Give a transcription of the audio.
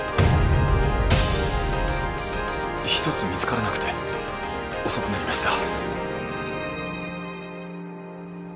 １つ見つからなくて遅くなりました。